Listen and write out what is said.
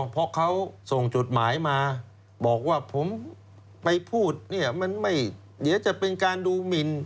เพราะเขาส่งจดหมายมาบอกว่าผมไปพูดเนี่ยมันไม่เดี๋ยวจะเป็นการดูหมิน